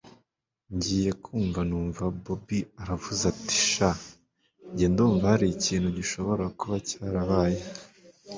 ngiye kumva numva bobi aravuze ati sha! njye ndumva harikintu gishobora kuba cyarabaye